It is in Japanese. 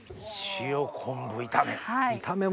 塩昆布炒め。